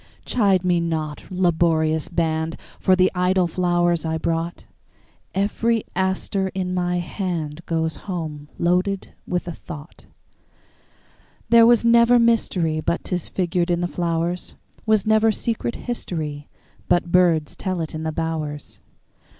Chide me not, laborious band, For the idle flowers I brought; Every aster in my handGoes home loaded with a thought. There was never mysteryBut 'tis figured in the flowers; SWas never secret historyBut birds tell it in the bowers.